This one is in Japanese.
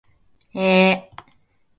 文章を書く